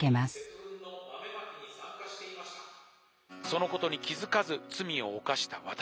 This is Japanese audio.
「そのことに気付かず罪を犯した私。